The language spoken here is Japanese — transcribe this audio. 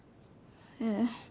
ええ。